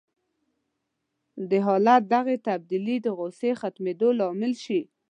د حالت دغه تبديلي د غوسې د ختمېدو لامل شي.